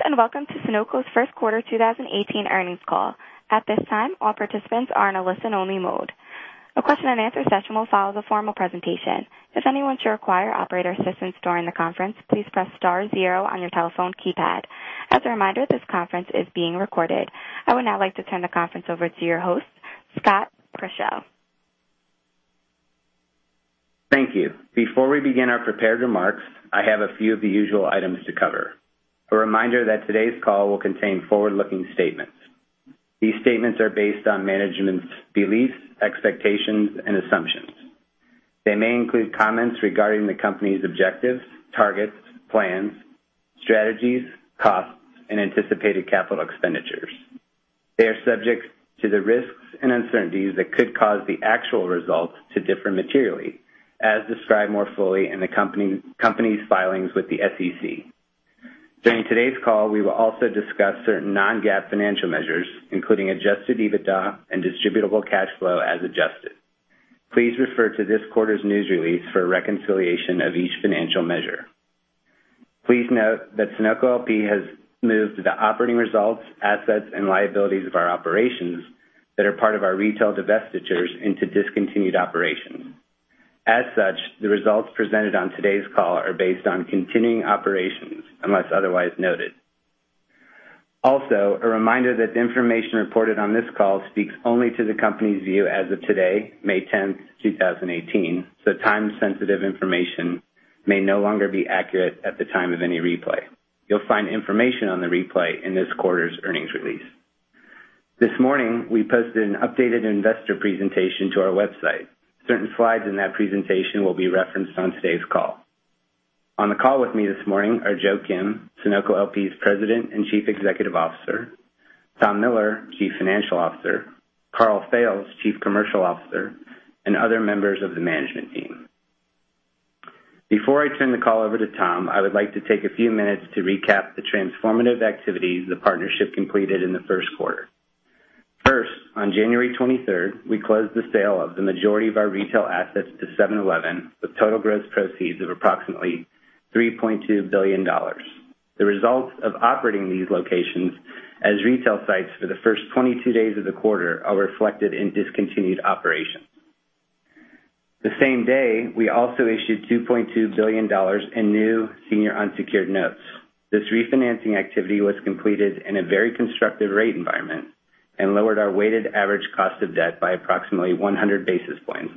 Greetings, and welcome to Sunoco's first quarter 2018 earnings call. At this time, all participants are in a listen-only mode. A question and answer session will follow the formal presentation. If anyone should require operator assistance during the conference, please press star zero on your telephone keypad. As a reminder, this conference is being recorded. I would now like to turn the conference over to your host, Scott Grischow. Thank you. Before we begin our prepared remarks, I have a few of the usual items to cover. A reminder that today's call will contain forward-looking statements. These statements are based on management's beliefs, expectations, and assumptions. They may include comments regarding the company's objectives, targets, plans, strategies, costs, and anticipated capital expenditures. They are subject to the risks and uncertainties that could cause the actual results to differ materially, as described more fully in the company's filings with the SEC. During today's call, we will also discuss certain non-GAAP financial measures, including adjusted EBITDA and distributable cash flow as adjusted. Please refer to this quarter's news release for a reconciliation of each financial measure. Please note that Sunoco LP has moved the operating results, assets, and liabilities of our operations that are part of our retail divestitures into discontinued operations. As such, the results presented on today's call are based on continuing operations unless otherwise noted. A reminder that the information reported on this call speaks only to the company's view as of today, May 10th, 2018. Time-sensitive information may no longer be accurate at the time of any replay. You'll find information on the replay in this quarter's earnings release. This morning, we posted an updated investor presentation to our website. Certain slides in that presentation will be referenced on today's call. On the call with me this morning are Joseph Kim, Sunoco LP's President and Chief Executive Officer; Thomas Miller, Chief Financial Officer; Karl Fails, Chief Commercial Officer, and other members of the management team. Before I turn the call over to Tom, I would like to take a few minutes to recap the transformative activities the partnership completed in the first quarter. First, on January 23rd, we closed the sale of the majority of our retail assets to 7-Eleven, with total gross proceeds of approximately $3.2 billion. The results of operating these locations as retail sites for the first 22 days of the quarter are reflected in discontinued operations. The same day, we also issued $2.2 billion in new senior unsecured notes. This refinancing activity was completed in a very constructive rate environment and lowered our weighted average cost of debt by approximately 100 basis points,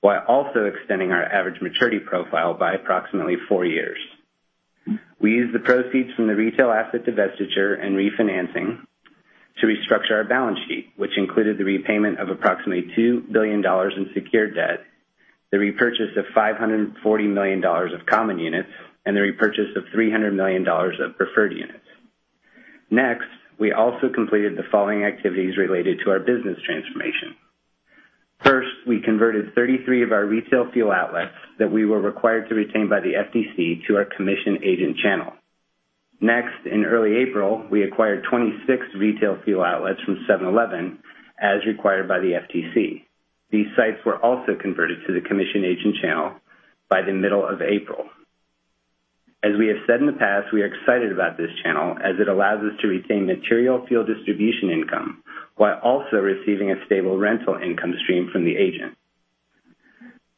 while also extending our average maturity profile by approximately four years. We used the proceeds from the retail asset divestiture and refinancing to restructure our balance sheet, which included the repayment of approximately $2 billion in secured debt, the repurchase of $540 million of common units, and the repurchase of $300 million of preferred units. We also completed the following activities related to our business transformation. First, we converted 33 of our retail fuel outlets that we were required to retain by the FTC to our commission agent channel. In early April, we acquired 26 retail fuel outlets from 7-Eleven as required by the FTC. These sites were also converted to the commission agent channel by the middle of April. As we have said in the past, we are excited about this channel as it allows us to retain material fuel distribution income while also receiving a stable rental income stream from the agent.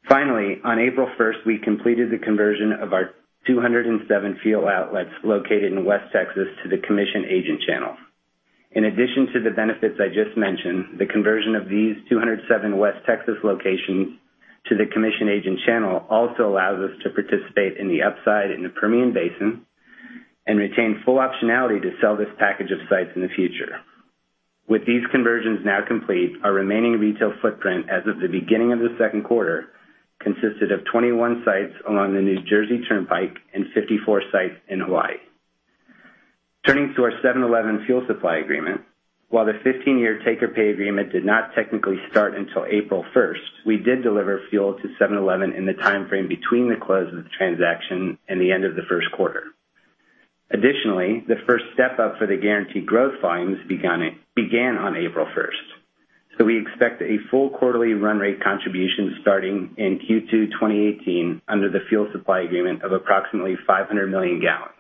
Finally, on April 1st, we completed the conversion of our 207 fuel outlets located in West Texas to the commission agent channel. In addition to the benefits I just mentioned, the conversion of these 207 West Texas locations to the commission agent channel also allows us to participate in the upside in the Permian Basin and retain full optionality to sell this package of sites in the future. With these conversions now complete, our remaining retail footprint as of the beginning of the second quarter consisted of 21 sites along the New Jersey Turnpike and 54 sites in Hawaii. Turning to our 7-Eleven fuel supply agreement. While the 15-year take-or-pay agreement did not technically start until April 1st, we did deliver fuel to 7-Eleven in the timeframe between the close of the transaction and the end of the first quarter. Additionally, the first step-up for the guaranteed growth volumes began on April 1st. We expect a full quarterly run rate contribution starting in Q2 2018 under the fuel supply agreement of approximately 500 million gallons.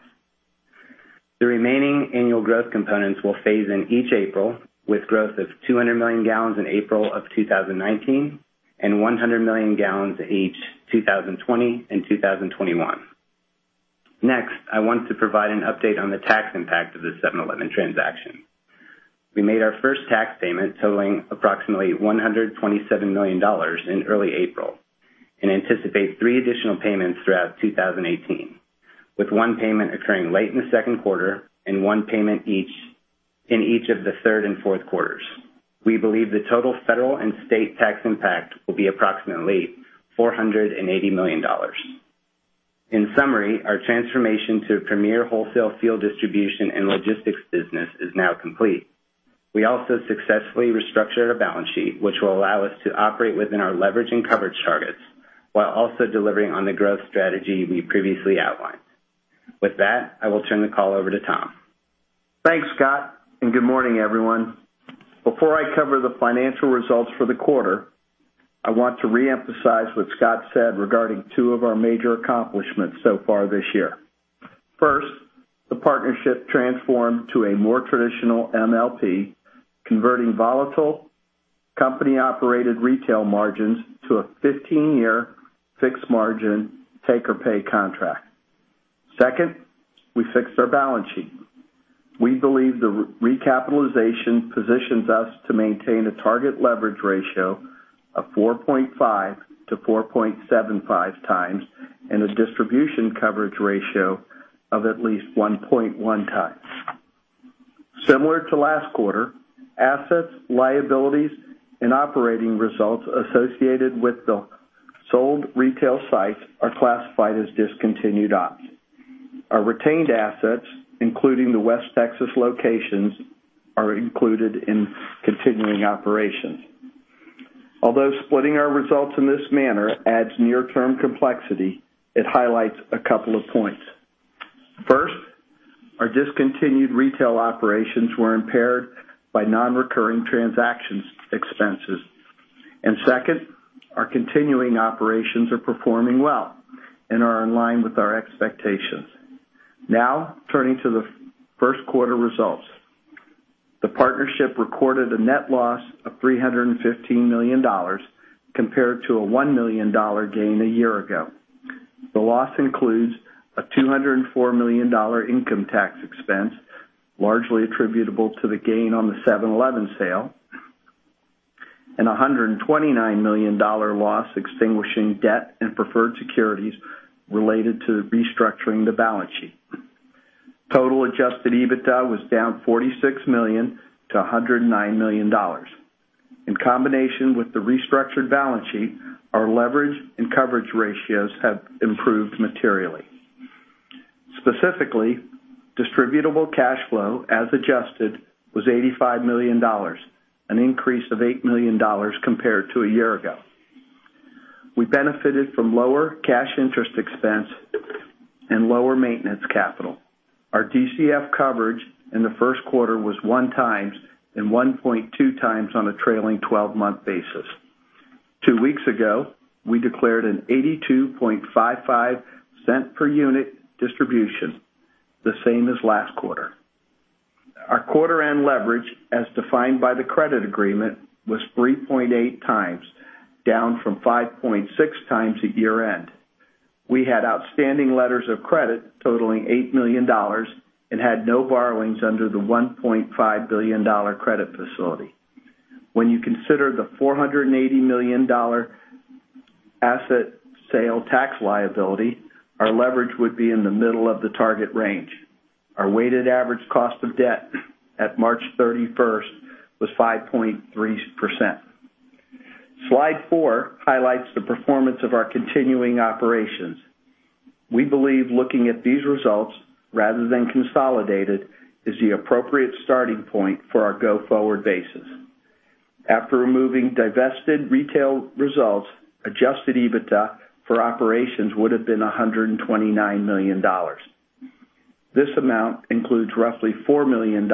The remaining annual growth components will phase in each April with growth of 200 million gallons in April of 2019 and 100 million gallons each 2020 and 2021. I want to provide an update on the tax impact of the 7-Eleven transaction. We made our first tax payment totaling approximately $127 million in early April and anticipate three additional payments throughout 2018, with one payment occurring late in the second quarter and one payment in each of the third and fourth quarters. We believe the total federal and state tax impact will be approximately $480 million. In summary, our transformation to a premier wholesale fuel distribution and logistics business is now complete. We also successfully restructured our balance sheet, which will allow us to operate within our leverage and coverage targets while also delivering on the growth strategy we previously outlined. With that, I will turn the call over to Tom. Thanks, Scott, good morning, everyone. Before I cover the financial results for the quarter I want to reemphasize what Scott said regarding two of our major accomplishments so far this year. First, the partnership transformed to a more traditional MLP, converting volatile company-operated retail margins to a 15-year fixed margin take-or-pay contract. Second, we fixed our balance sheet. We believe the recapitalization positions us to maintain a target leverage ratio of 4.5 to 4.75 times and a distribution coverage ratio of at least 1.1 times. Similar to last quarter, assets, liabilities, and operating results associated with the sold retail sites are classified as discontinued ops. Our retained assets, including the West Texas locations, are included in continuing operations. Although splitting our results in this manner adds near-term complexity, it highlights a couple of points. First, our discontinued retail operations were impaired by non-recurring transaction expenses. Second, our continuing operations are performing well and are in line with our expectations. Turning to the first quarter results. The partnership recorded a net loss of $315 million compared to a $1 million gain a year ago. The loss includes a $204 million income tax expense, largely attributable to the gain on the 7-Eleven sale, and a $129 million loss extinguishing debt and preferred securities related to restructuring the balance sheet. Total adjusted EBITDA was down $46 million to $109 million. In combination with the restructured balance sheet, our leverage and coverage ratios have improved materially. Specifically, distributable cash flow as adjusted was $85 million, an increase of $8 million compared to a year ago. We benefited from lower cash interest expense and lower maintenance capital. Our DCF coverage in the first quarter was one times and 1.2 times on a trailing 12-month basis. Two weeks ago, we declared an $0.8255 per unit distribution, the same as last quarter. Our quarter-end leverage, as defined by the credit agreement, was 3.8 times, down from 5.6 times at year-end. We had outstanding letters of credit totaling $8 million and had no borrowings under the $1.5 billion credit facility. When you consider the $480 million asset sale tax liability, our leverage would be in the middle of the target range. Our weighted average cost of debt at March 31st was 5.3%. Slide four highlights the performance of our continuing operations. We believe looking at these results rather than consolidated is the appropriate starting point for our go-forward basis. After removing divested retail results, adjusted EBITDA for operations would've been $129 million. This amount includes roughly $4 million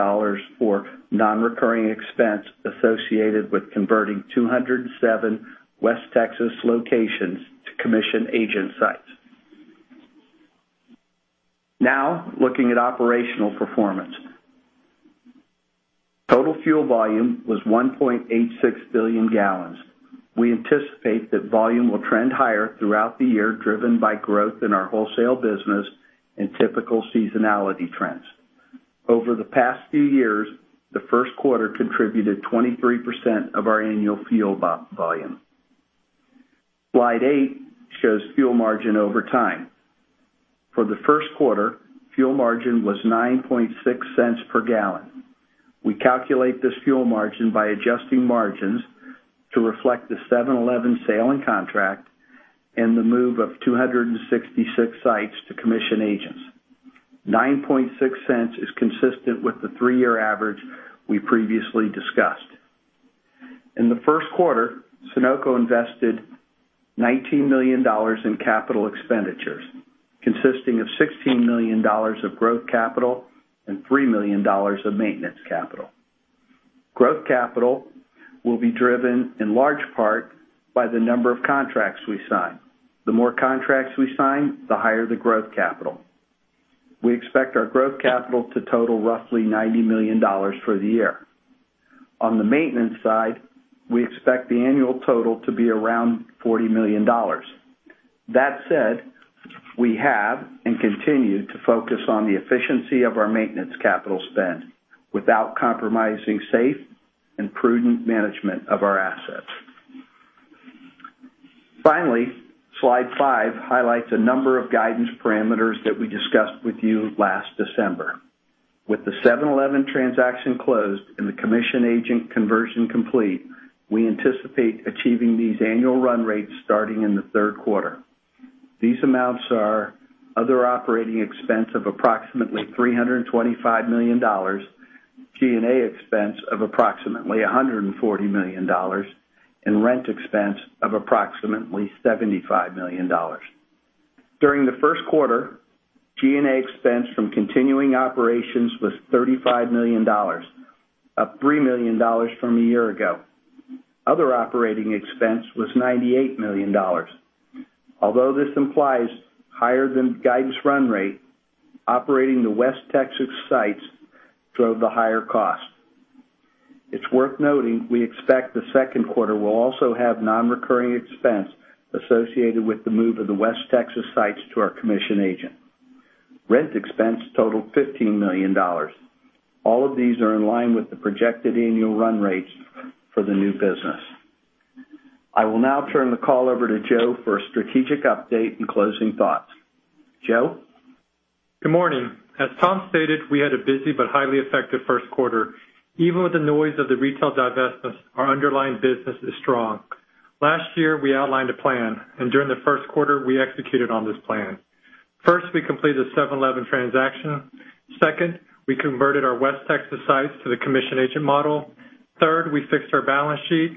for non-recurring expense associated with converting 207 West Texas locations to commission agent sites. Looking at operational performance. Total fuel volume was 1.86 billion gallons. We anticipate that volume will trend higher throughout the year, driven by growth in our wholesale business and typical seasonality trends. Over the past few years, the first quarter contributed 23% of our annual fuel volume. Slide eight shows fuel margin over time. For the first quarter, fuel margin was $0.0960 per gallon. We calculate this fuel margin by adjusting margins to reflect the 7-Eleven sale and contract and the move of 266 sites to commission agents. $0.096 is consistent with the three-year average we previously discussed. In the first quarter, Sunoco invested $19 million in capital expenditures, consisting of $16 million of growth capital and $3 million of maintenance capital. Growth capital will be driven in large part by the number of contracts we sign. The more contracts we sign, the higher the growth capital. We expect our growth capital to total roughly $90 million for the year. On the maintenance side, we expect the annual total to be around $40 million. That said, we have and continue to focus on the efficiency of our maintenance capital spend without compromising safe and prudent management of our assets. Finally, slide five highlights a number of guidance parameters that we discussed with you last December. With the 7-Eleven transaction closed and the commission agent conversion complete, we anticipate achieving these annual run rates starting in the third quarter. These amounts are other operating expense of approximately $325 million, G&A expense of approximately $140 million, and rent expense of approximately $75 million. During the first quarter, G&A expense from continuing operations was $35 million, up $3 million from a year ago. Other operating expense was $98 million. Although this implies higher than guidance run rate, operating the West Texas sites drove the higher cost. It's worth noting, we expect the second quarter will also have non-recurring expense associated with the move of the West Texas sites to our commission agent. Rent expense totaled $15 million. All of these are in line with the projected annual run rates for the new business. I will now turn the call over to Joe for a strategic update and closing thoughts. Joe? Good morning. As Tom stated, we had a busy but highly effective first quarter. Even with the noise of the retail divestments, our underlying business is strong. Last year, we outlined a plan, During the first quarter, we executed on this plan. First, we completed the 7-Eleven transaction. Second, we converted our West Texas sites to the commission agent model. Third, we fixed our balance sheet.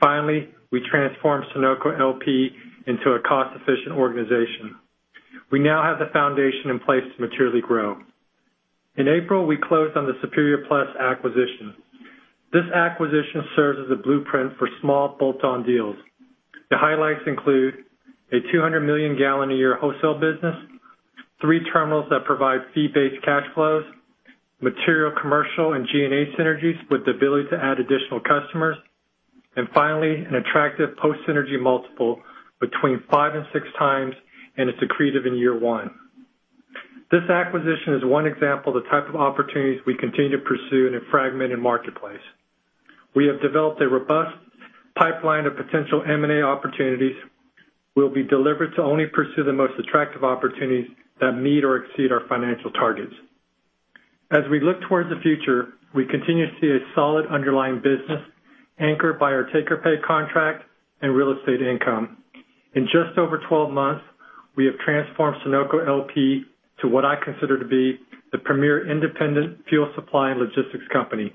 Finally, we transformed Sunoco LP into a cost-efficient organization. We now have the foundation in place to materially grow. In April, we closed on the Superior Plus acquisition. This acquisition serves as a blueprint for small bolt-on deals. The highlights include a 200 million-gallon-a-year wholesale business, three terminals that provide fee-based cash flows, material commercial and G&A synergies with the ability to add additional customers, Finally, an attractive post-synergy multiple between 5x and 6x, and it's accretive in year one. This acquisition is one example of the type of opportunities we continue to pursue in a fragmented marketplace. We have developed a robust pipeline of potential M&A opportunities. We'll be deliberate to only pursue the most attractive opportunities that meet or exceed our financial targets. As we look towards the future, we continue to see a solid underlying business anchored by our take-or-pay contract and real estate income. In just over 12 months, we have transformed Sunoco LP to what I consider to be the premier independent fuel supply and logistics company.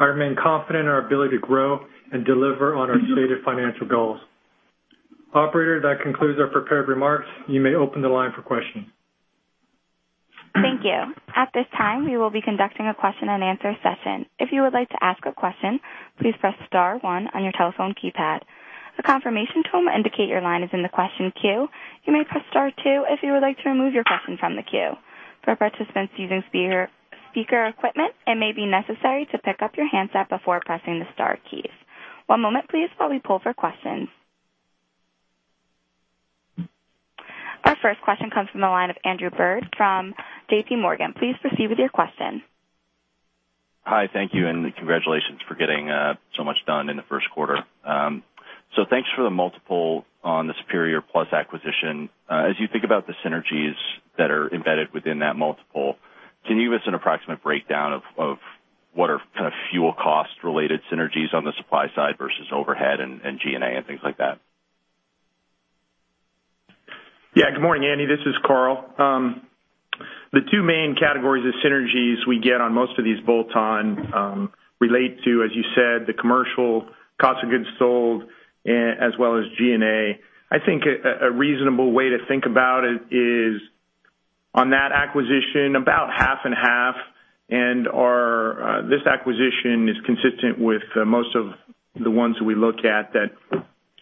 I remain confident in our ability to grow and deliver on our stated financial goals. Operator, that concludes our prepared remarks. You may open the line for questioning. Thank you. At this time, we will be conducting a question and answer session. If you would like to ask a question, please press *1 on your telephone keypad. A confirmation tone will indicate your line is in the question queue. You may press *2 if you would like to remove your question from the queue. For participants using speaker equipment, it may be necessary to pick up your handset before pressing the star keys. One moment, please, while we pull for questions. Our first question comes from the line of Andrew Bird from JP Morgan. Please proceed with your question. Hi. Thank you, congratulations for getting so much done in the first quarter. Thanks for the multiple on the Superior Plus acquisition. As you think about the synergies that are embedded within that multiple, can you give us an approximate breakdown of what are fuel cost-related synergies on the supply side versus overhead and G&A and things like that? Yeah. Good morning, Andy. This is Karl. The two main categories of synergies we get on most of these bolt-on relate to, as you said, the commercial cost of goods sold, as well as G&A. I think a reasonable way to think about it is, on that acquisition, about half and half. This acquisition is consistent with most of the ones we look at, that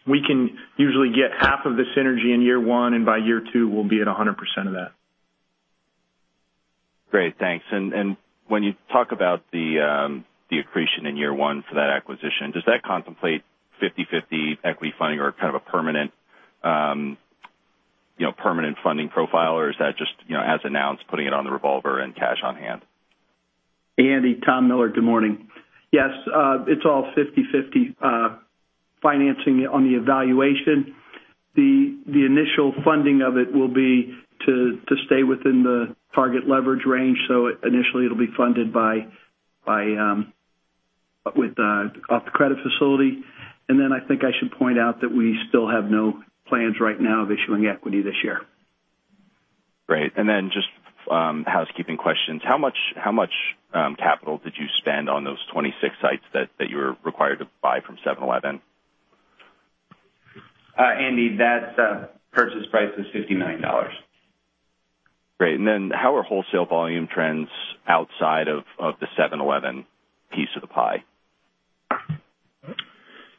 we can usually get half of the synergy in year one, and by year two, we'll be at 100% of that. Great. Thanks. When you talk about the accretion in year one for that acquisition, does that contemplate 50/50 equity funding or kind of a permanent funding profile, or is that just, as announced, putting it on the revolver and cash on hand? Andy, Tom Miller. Good morning. Yes. It's all 50/50 financing on the evaluation. The initial funding of it will be to stay within the target leverage range. Initially, it'll be funded off the credit facility. I think I should point out that we still have no plans right now of issuing equity this year. Great. Just housekeeping questions. How much capital did you spend on those 26 sites that you were required to buy from 7-Eleven? Andy, that purchase price was $59. Great. How are wholesale volume trends outside of the 7-Eleven piece of the pie?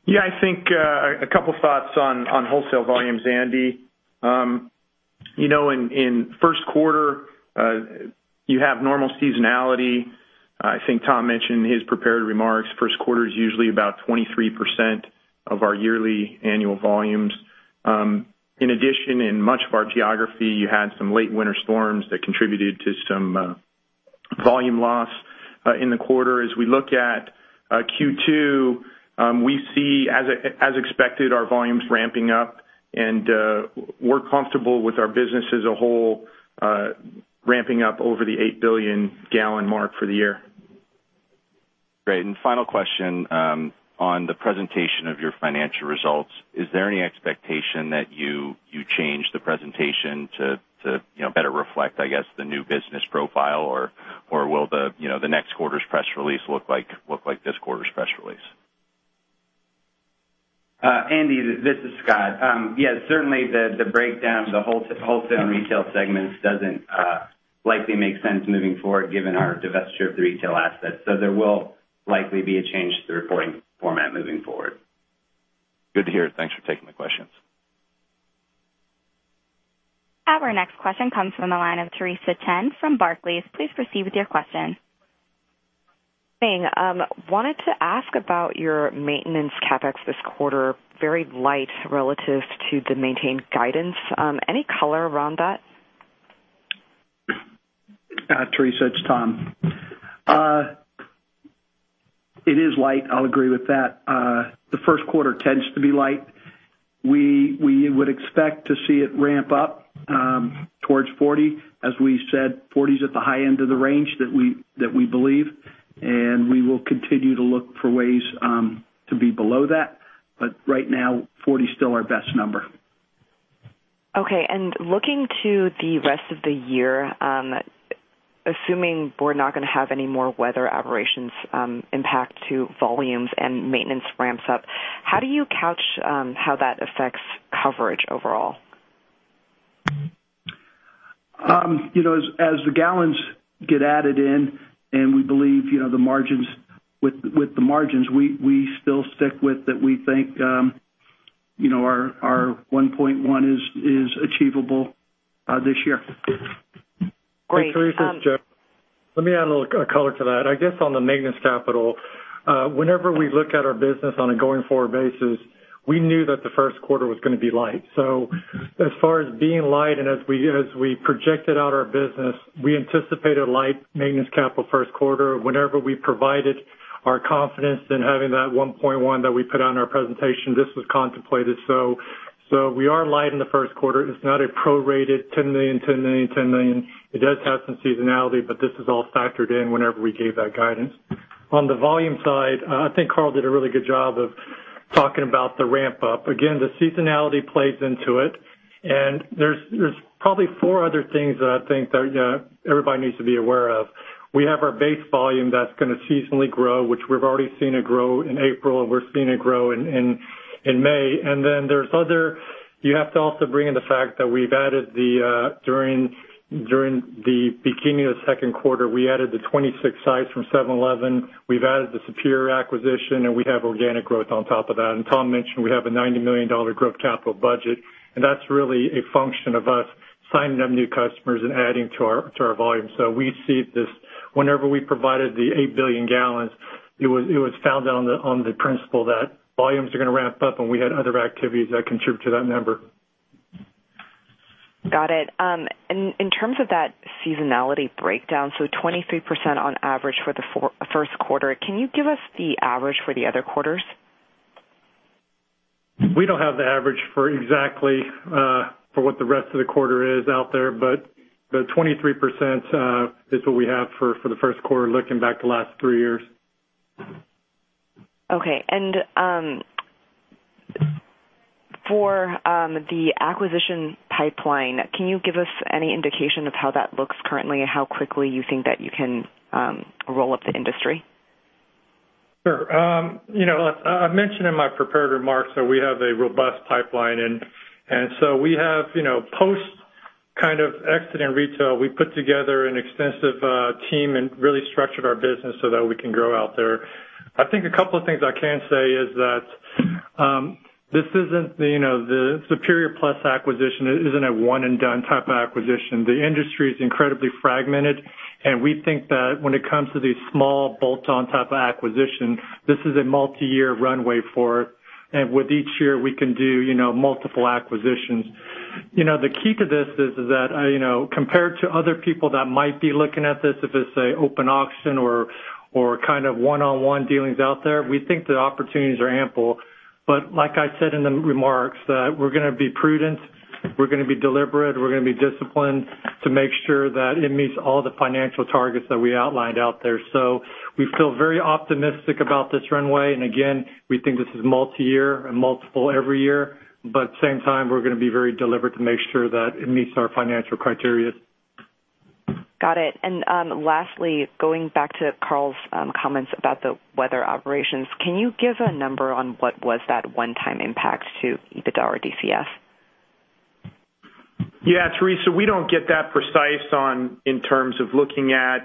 Yeah. I think a couple of thoughts on wholesale volumes, Andy. In first quarter, you have normal seasonality. I think Tom mentioned in his prepared remarks, first quarter is usually about 23% of our yearly annual volumes. In addition, in much of our geography, you had some late winter storms that contributed to some volume loss in the quarter. As we look at Q2, we see, as expected, our volumes ramping up, and we're comfortable with our business as a whole ramping up over the eight-billion-gallon mark for the year. Great. Final question. On the presentation of your financial results, is there any expectation that you change the presentation to better reflect, I guess, the new business profile, or will the next quarter's press release look like this quarter's press release? Andy, this is Scott. Yeah, certainly the breakdown of the wholesale and retail segments doesn't likely make sense moving forward given our divestiture of the retail assets. There will likely be a change to the reporting format moving forward. Good to hear. Thanks for taking the questions. Our next question comes from the line of Theresa Chen from Barclays. Please proceed with your question. Thanks. Wanted to ask about your maintenance CapEx this quarter, very light relative to the maintained guidance. Any color around that? Theresa, it's Tom. It is light, I'll agree with that. The first quarter tends to be light. We would expect to see it ramp up towards 40. As we said, 40's at the high end of the range that we believe, and we will continue to look for ways to be below that. Right now, 40 is still our best number. Okay. Looking to the rest of the year, assuming we're not going to have any more weather aberrations impact to volumes and maintenance ramps up, how do you couch how that affects coverage overall? As the gallons get added in and with the margins, we still stick with that we think our 1.1 is achievable this year. Great. Hey, Theresa, it's Joe. Let me add a little color to that. I guess on the maintenance capital, whenever we look at our business on a going forward basis, we knew that the first quarter was going to be light. As far as being light, and as we projected out our business, we anticipated light maintenance capital first quarter. Whenever we provided our confidence in having that 1.1 that we put on our presentation, this was contemplated. So we are light in the first quarter. It's not a prorated $10 million. It does have some seasonality, but this is all factored in whenever we gave that guidance. On the volume side, I think Karl did a really good job of talking about the ramp up. Again, the seasonality plays into it. There's probably four other things that I think that everybody needs to be aware of. We have our base volume that's going to seasonally grow, which we've already seen it grow in April, and we're seeing it grow in May. Then you have to also bring in the fact that during the beginning of the second quarter, we added the 26 sites from 7-Eleven. We've added the Superior acquisition, and we have organic growth on top of that. Tom mentioned we have a $90 million growth capital budget, and that's really a function of us signing up new customers and adding to our volume. We see this whenever we provided the eight billion gallons, it was founded on the principle that volumes are going to ramp up, and we had other activities that contribute to that number. Got it. In terms of that seasonality breakdown, 23% on average for the first quarter, can you give us the average for the other quarters? We don't have the average for exactly for what the rest of the quarter is out there, but the 23% is what we have for the first quarter looking back the last three years. For the acquisition pipeline, can you give us any indication of how that looks currently and how quickly you think that you can roll up the industry? Sure. I mentioned in my prepared remarks that we have a robust pipeline, we have post kind of exit in retail. We put together an extensive team and really structured our business so that we can grow out there. I think a couple of things I can say is that the Superior Plus acquisition isn't a one-and-done type of acquisition. The industry is incredibly fragmented, and we think that when it comes to these small bolt-on type of acquisition, this is a multi-year runway for it. With each year, we can do multiple acquisitions. The key to this is that compared to other people that might be looking at this, if it's an open auction or kind of one-on-one dealings out there, we think the opportunities are ample. Like I said in the remarks, that we're going to be prudent, we're going to be deliberate, we're going to be disciplined to make sure that it meets all the financial targets that we outlined out there. We feel very optimistic about this runway. Again, we think this is multi-year and multiple every year. At the same time, we're going to be very deliberate to make sure that it meets our financial criterias. Lastly, going back to Karl's comments about the weather operations, can you give a number on what was that one-time impact to EBITDA or DCF? Yeah, Theresa, we don't get that precise in terms of looking at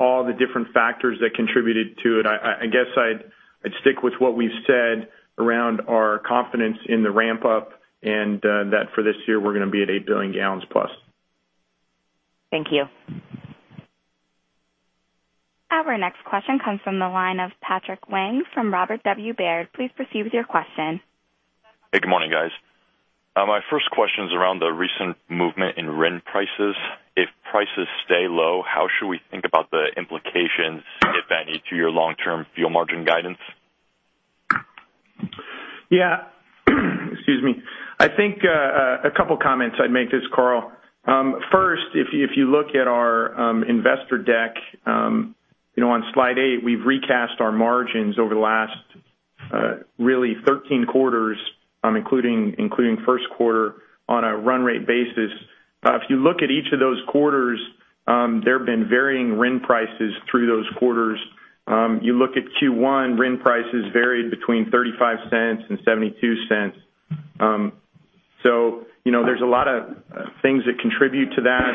all the different factors that contributed to it. I guess I'd stick with what we've said around our confidence in the ramp up and that for this year, we're going to be at eight billion gallons plus. Thank you. Our next question comes from the line of Patrick Wang from Robert W. Baird. Please proceed with your question. Hey, good morning, guys. My first question is around the recent movement in RIN prices. If prices stay low, how should we think about the implications, if any, to your long-term fuel margin guidance? Yeah. Excuse me. I think a couple of comments I'd make. This is Karl. First, if you look at our investor deck, on slide eight, we've recast our margins over the last really 13 quarters including first quarter on a run rate basis. If you look at each of those quarters There have been varying RIN prices through those quarters. You look at Q1, RIN prices varied between $0.35 and $0.72. There's a lot of things that contribute to that.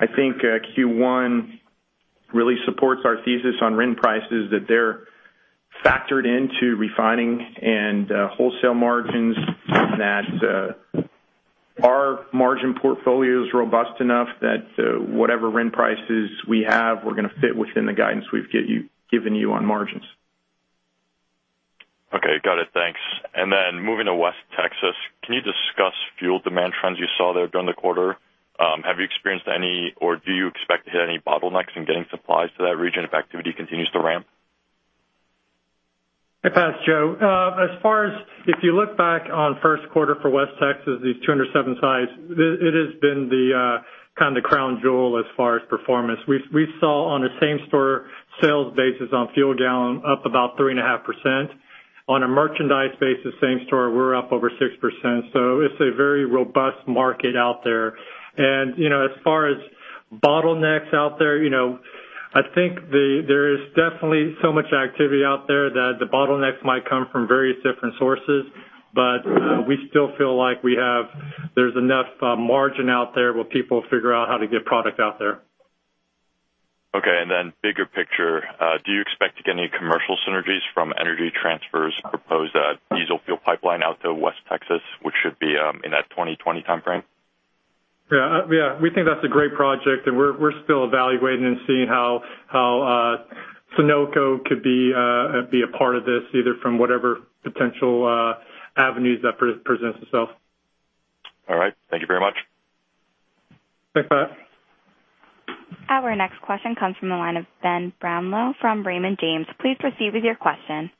I think Q1 really supports our thesis on RIN prices, that they're factored into refining and wholesale margins, and that our margin portfolio is robust enough that whatever RIN prices we have, we're going to fit within the guidance we've given you on margins. Okay. Got it. Thanks. Moving to West Texas, can you discuss fuel demand trends you saw there during the quarter? Have you experienced any, or do you expect to hit any bottlenecks in getting supplies to that region if activity continues to ramp? I pass, Joe. If you look back on first quarter for West Texas, the 207 sites, it has been the crown jewel as far as performance. We saw on a same-store sales basis on fuel gallon up about 3.5%. On a merchandise basis same-store, we're up over 6%. It's a very robust market out there. As far as bottlenecks out there, I think there is definitely so much activity out there that the bottleneck might come from various different sources, but we still feel like there's enough margin out there where people figure out how to get product out there. Okay. Then bigger picture, do you expect to get any commercial synergies from Energy Transfer's proposed a diesel fuel pipeline out to West Texas, which should be in that 2020 timeframe? We think that's a great project, and we're still evaluating and seeing how Sunoco could be a part of this, either from whatever potential avenues that presents itself. All right. Thank you very much. Thanks, Pat. Our next question comes from the line of Ben Brownlow from Raymond James. Please proceed with your question.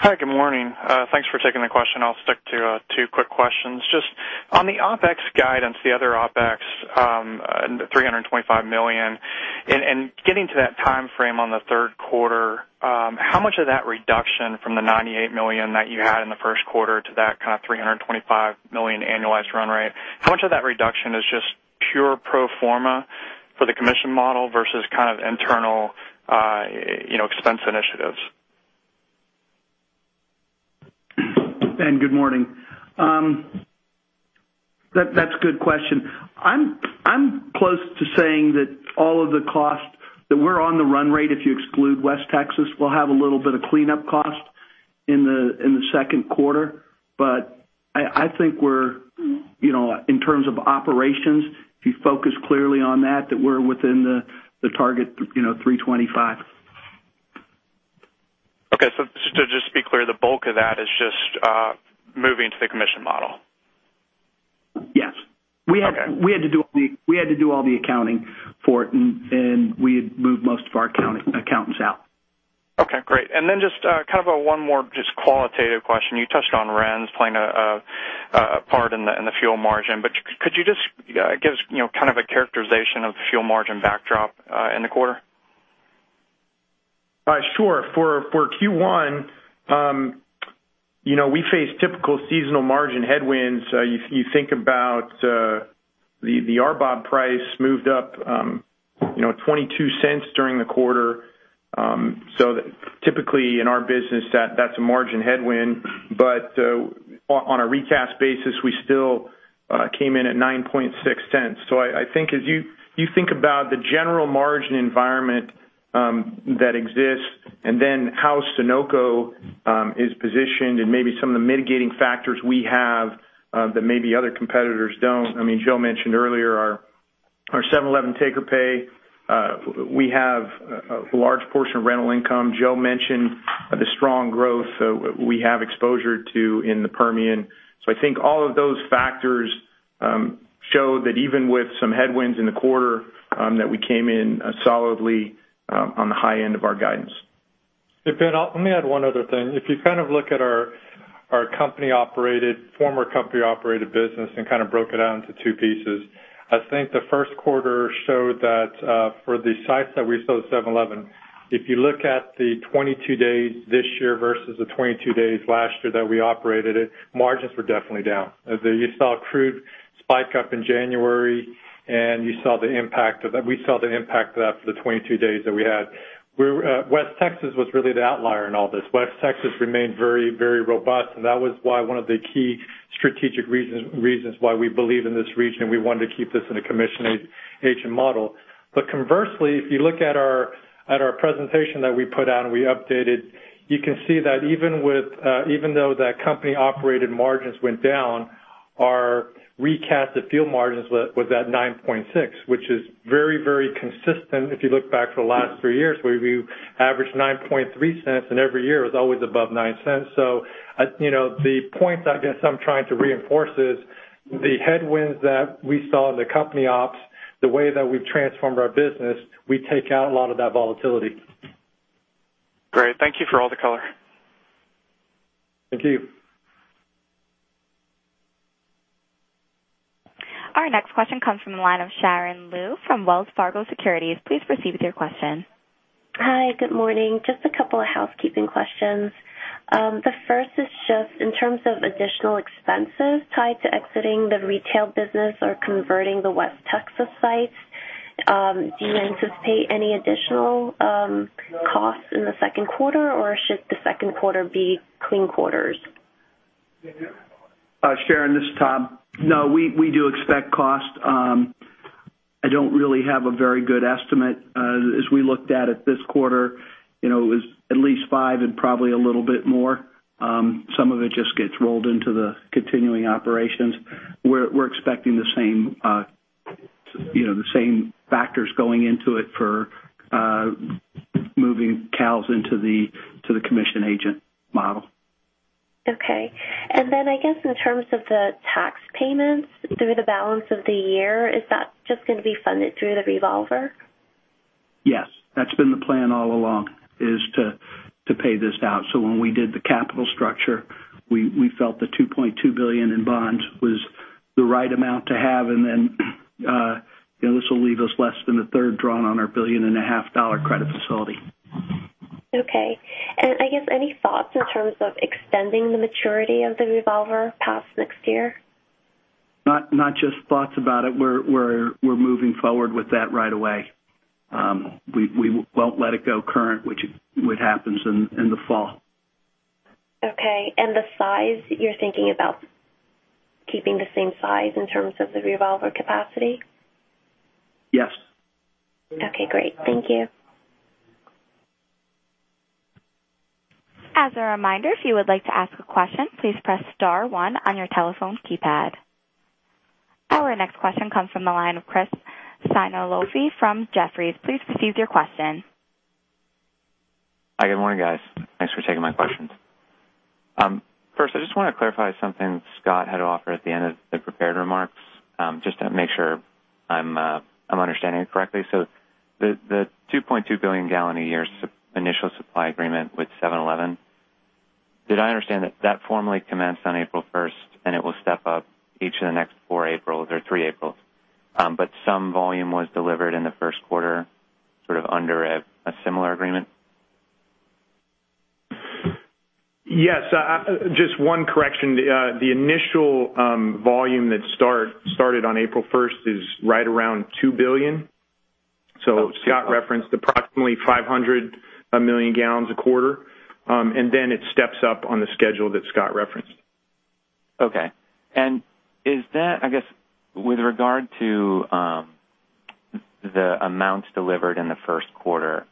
Hi. Good morning. Thanks for taking the question. I'll stick to two quick questions. Just on the OpEx guidance, the other OpEx, $325 million, and getting to that timeframe on the third quarter, how much of that reduction from the $98 million that you had in the first quarter to that $325 million annualized run rate, how much of that reduction is just pure pro forma for the commission model versus internal expense initiatives? Ben, good morning. That's a good question. I'm close to saying that all of the cost that we're on the run rate, if you exclude West Texas, will have a little bit of cleanup cost in the second quarter. I think in terms of operations, if you focus clearly on that we're within the target $325. Okay. Just to be clear, the bulk of that is just moving to the commission model? Yes. Okay. We had to do all the accounting for it, and we had moved most of our accountants out. Okay, great. Just one more just qualitative question. You touched on RINs playing a part in the fuel margin, could you just give us a characterization of the fuel margin backdrop in the quarter? Sure. For Q1, we faced typical seasonal margin headwinds. You think about the RBOB price moved up $0.22 during the quarter. Typically in our business, that's a margin headwind. On a recast basis, we still came in at $0.0960. I think as you think about the general margin environment that exists and then how Sunoco is positioned and maybe some of the mitigating factors we have that maybe other competitors don't. Joe mentioned earlier our 7-Eleven take-or-pay. We have a large portion of rental income. Joe mentioned the strong growth we have exposure to in the Permian. I think all of those factors show that even with some headwinds in the quarter, that we came in solidly on the high end of our guidance. Ben, let me add one other thing. If you look at our former company-operated business and broke it out into two pieces, I think the first quarter showed that for the sites that we sold 7-Eleven, if you look at the 22 days this year versus the 22 days last year that we operated it, margins were definitely down. You saw crude spike up in January, and we saw the impact of that for the 22 days that we had. West Texas was really the outlier in all this. West Texas remained very robust, and that was one of the key strategic reasons why we believe in this region, and we wanted to keep this in a commission agent model. Conversely, if you look at our presentation that we put out and we updated, you can see that even though the company-operated margins went down, our recasted fuel margins was at 9.6, which is very consistent if you look back for the last three years, where we averaged $0.0930, and every year was always above $0.09. The point I guess I'm trying to reinforce is the headwinds that we saw in the company ops, the way that we've transformed our business, we take out a lot of that volatility. Great. Thank you for all the color. Thank you. Our next question comes from the line of Sharon Lu from Wells Fargo Securities. Please proceed with your question. Hi, good morning. Just a couple of housekeeping questions. The first is just in terms of additional expenses tied to exiting the retail business or converting the West Texas sites, do you anticipate any additional costs in the second quarter, or should the second quarter be clean quarters? Sharon, this is Tom. No, we do expect cost. I don't really have a very good estimate. As we looked at it this quarter, it was at least five and probably a little bit more. Some of it just gets rolled into the continuing operations. We're expecting the same factors going into it for moving costs into the commission agent model. Okay. I guess in terms of the tax payments through the balance of the year, is that just going to be funded through the revolver? Yes. That's been the plan all along, is to pay this out. When we did the capital structure, we felt the $2.2 billion in bonds was the right amount to have. This will leave us less than a third drawn on our billion-and-a-half dollar credit facility. Okay. I guess any thoughts in terms of extending the maturity of the revolver past next year? Not just thoughts about it. We're moving forward with that right away. We won't let it go current, which happens in the fall. Okay. The size, you're thinking about keeping the same size in terms of the revolver capacity? Yes. Okay, great. Thank you. As a reminder, if you would like to ask a question, please press star one on your telephone keypad. Our next question comes from the line of Christopher Sighinolfi from Jefferies. Please proceed with your question. Hi, good morning, guys. Thanks for taking my questions. First, I just want to clarify something Scott had offered at the end of the prepared remarks, just to make sure I'm understanding it correctly. The 2.2 billion gallon a year initial supply agreement with 7-Eleven, did I understand that that formally commenced on April 1st, and it will step up each of the next four April's or three April's. Some volume was delivered in the first quarter, sort of under a similar agreement? Yes, just one correction. The initial volume that started on April 1st is right around 2 billion. Scott referenced approximately 500 million gallons a quarter, and it steps up on the schedule that Scott referenced. Okay. Is that, I guess, with regard to the amounts delivered in the first quarter,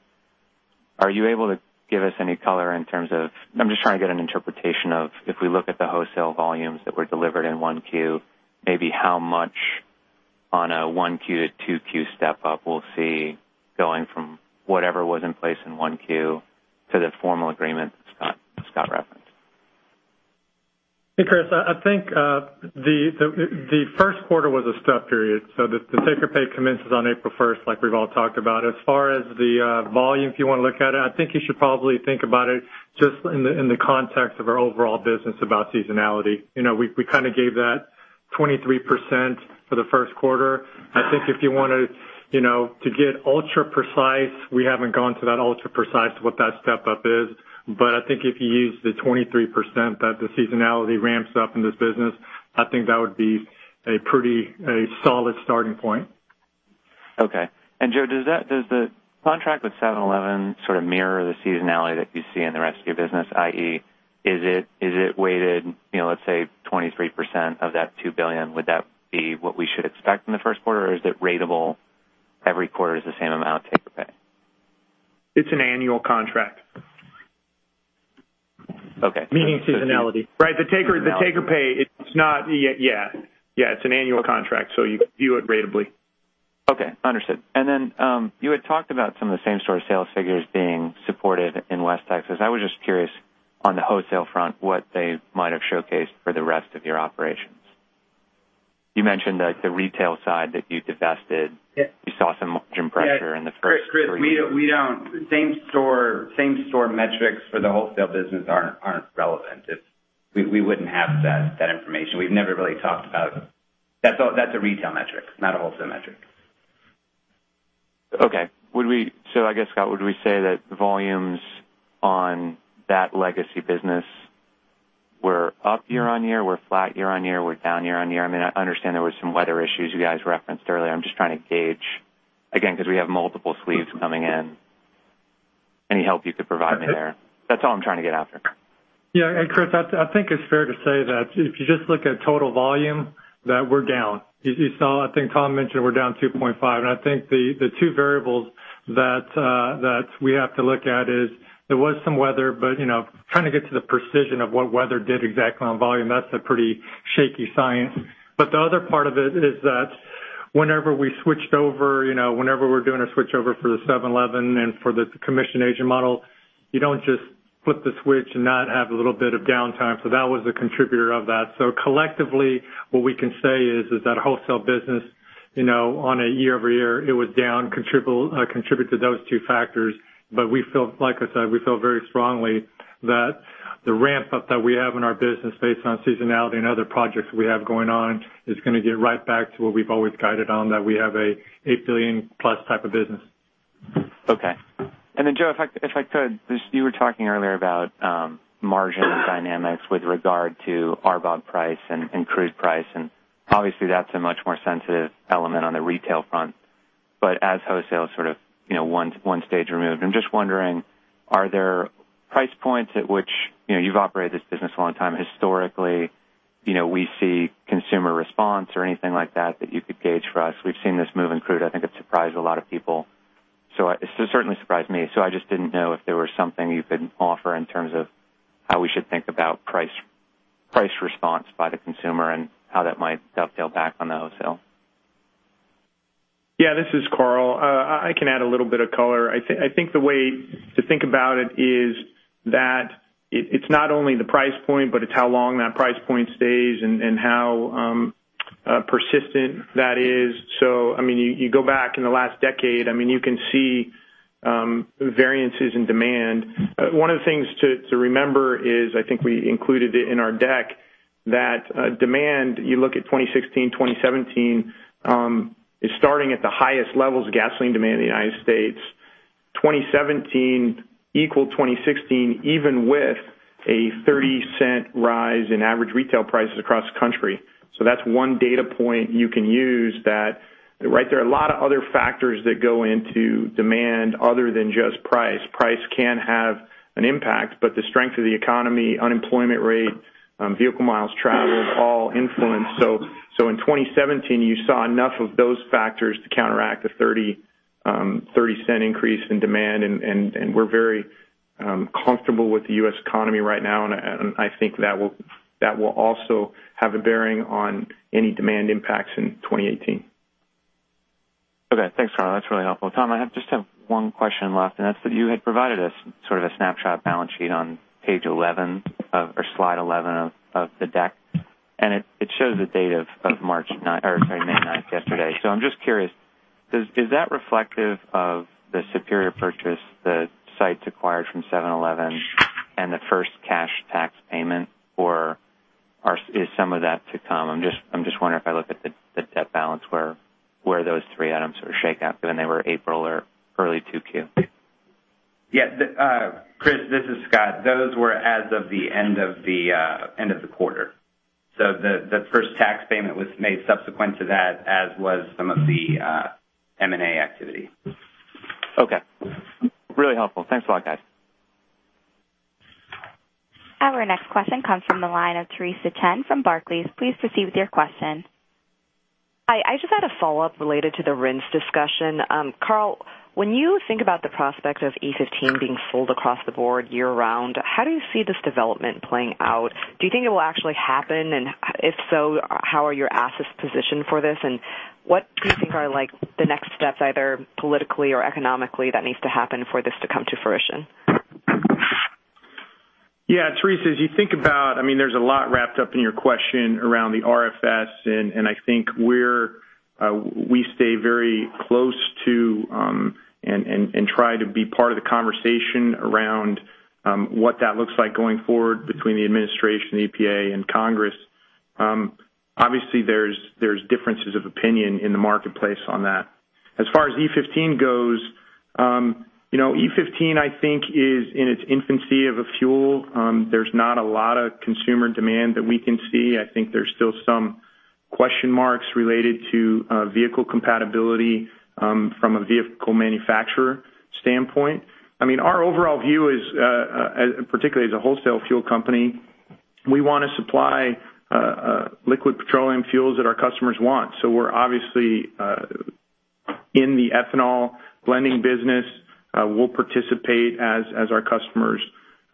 are you able to give us any color in terms of I'm just trying to get an interpretation of, if we look at the wholesale volumes that were delivered in 1Q, maybe how much on a 1Q to 2Q step-up we'll see going from whatever was in place in 1Q to the formal agreement that Scott referenced. Hey, Chris. I think the first quarter was a stub period, so the take-or-pay commences on April 1st, like we've all talked about. As far as the volume, if you want to look at it, I think you should probably think about it just in the context of our overall business about seasonality. We kind of gave that 23% for the first quarter. I think if you want to get ultra precise, we haven't gone to that ultra precise what that step up is. I think if you use the 23% that the seasonality ramps up in this business, I think that would be a solid starting point. Okay. Joe, does the contract with 7-Eleven sort of mirror the seasonality that you see in the rest of your business, i.e., is it weighted, let's say, 23% of that $2 billion? Would that be what we should expect in the first quarter, or is it ratable every quarter is the same amount take-or-pay? It's an annual contract. Okay. Meaning seasonality. Right. The take-or-pay, it's an annual contract, so you view it ratably. Okay. Understood. You had talked about some of the same-store sales figures being supported in West Texas. I was just curious on the wholesale front, what they might have showcased for the rest of your operations. You mentioned the retail side that you divested. Yes. You saw some margin pressure in the first three years. Chris, same-store metrics for the wholesale business aren't relevant. We wouldn't have that information. We've never really talked about it. That's a retail metric, not a wholesale metric. Okay. I guess, Scott, would we say that volumes on that legacy business were up year-over-year, were flat year-over-year, were down year-over-year? I understand there was some weather issues you guys referenced earlier. I'm just trying to gauge again, because we have multiple suites coming in. Any help you could provide me there? That's all I'm trying to get after. Yeah. Chris, I think it's fair to say that if you just look at total volume, that we're down. You saw, I think Tom mentioned we're down 2.5%. I think the two variables that we have to look at is there was some weather, trying to get to the precision of what weather did exactly on volume, that's a pretty shaky science. The other part of it is that whenever we're doing a switchover for the 7-Eleven and for the commission agent model, you don't just flip the switch and not have a little bit of downtime. That was a contributor of that. Collectively, what we can say is that wholesale business on a year-over-year, it was down, contributed to those two factors. Like I said, we feel very strongly that The ramp-up that we have in our business based on seasonality and other projects we have going on is going to get right back to what we've always guided on, that we have an $8 billion-plus type of business. Okay. Joe, if I could, you were talking earlier about margin dynamics with regard to RBOB price and crude price, and obviously, that's a much more sensitive element on the retail front. As wholesale sort of stage 1 removed, I'm just wondering, are there price points at which you've operated this business a long time. Historically, we see consumer response or anything like that you could gauge for us. We've seen this move in crude. I think it surprised a lot of people. It certainly surprised me. I just didn't know if there was something you could offer in terms of how we should think about price response by the consumer and how that might dovetail back on the wholesale. Yeah. This is Karl. I can add a little bit of color. I think the way to think about it is that it's not only the price point, but it's how long that price point stays and how persistent that is. You go back in the last decade, you can see variances in demand. One of the things to remember is, I think we included it in our deck, that demand, you look at 2016, 2017, is starting at the highest levels of gasoline demand in the U.S. 2017 equaled 2016, even with a $0.30 rise in average retail prices across the country. That's one data point you can use that, right there, a lot of other factors that go into demand other than just price. Price can have an impact, but the strength of the economy, unemployment rate, vehicle miles traveled, all influence. In 2017, you saw enough of those factors to counteract the $0.30 increase in demand, we're very comfortable with the U.S. economy right now, I think that will also have a bearing on any demand impacts in 2018. Okay. Thanks, Karl. That's really helpful. Tom, I just have one question left, that's that you had provided us sort of a snapshot balance sheet on page 11 of, or slide 11 of the deck, and it shows the date of March 9th or May 9th, yesterday. I'm just curious, is that reflective of the Superior purchase, the sites acquired from 7-Eleven and the first cash tax payment, or is some of that to come? I'm just wondering if I look at the debt balance, where those three items sort of shake out, given they were April or early 2Q. Yeah. Chris, this is Scott. Those were as of the end of the quarter. The first tax payment was made subsequent to that, as was some of the M&A activity. Okay. Really helpful. Thanks a lot, guys. Our next question comes from the line of Theresa Chen from Barclays. Please proceed with your question. Hi. I just had a follow-up related to the RINs discussion. Karl, when you think about the prospect of E15 being sold across the board year-round, how do you see this development playing out? Do you think it will actually happen? If so, how are your assets positioned for this, and what do you think are the next steps, either politically or economically, that needs to happen for this to come to fruition? Yeah. Theresa, as you think about There's a lot wrapped up in your question around the RFS. I think we stay very close to, and try to be part of the conversation around what that looks like going forward between the administration, EPA, and Congress. Obviously, there's differences of opinion in the marketplace on that. As far as E15 goes, E15, I think is in its infancy of a fuel. There's not a lot of consumer demand that we can see. I think there's still some question marks related to vehicle compatibility from a vehicle manufacturer standpoint. Our overall view, particularly as a wholesale fuel company, we want to supply liquid petroleum fuels that our customers want. We're obviously in the ethanol blending business. We'll participate as our customers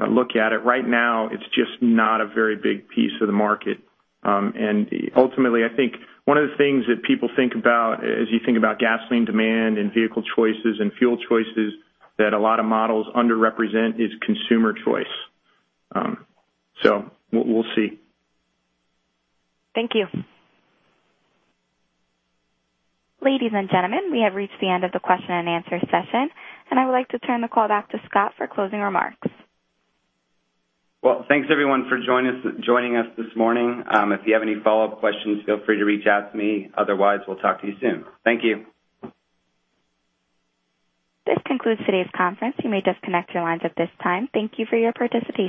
look at it. Right now, it's just not a very big piece of the market. Ultimately, I think one of the things that people think about as you think about gasoline demand and vehicle choices and fuel choices that a lot of models under-represent is consumer choice. We'll see. Thank you. Ladies and gentlemen, we have reached the end of the question and answer session. I would like to turn the call back to Scott for closing remarks. Well, thanks everyone for joining us this morning. If you have any follow-up questions, feel free to reach out to me. Otherwise, we'll talk to you soon. Thank you. This concludes today's conference. You may disconnect your lines at this time. Thank you for your participation.